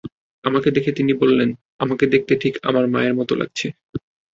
আমাকে দেখে তিনি বললেন, আমাকে দেখতে ঠিক আমার মায়ের মতো লাগছে।